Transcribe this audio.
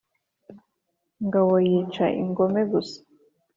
Ngabo yica ingome gusa